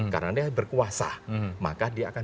karena dia berkuasa maka dia akan